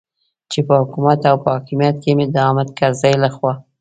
چې په حکومت او په حاکمیت کې مې د حامد کرزي لخوا.